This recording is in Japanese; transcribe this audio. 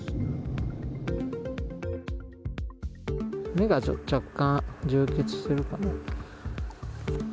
目が若干充血してるかな。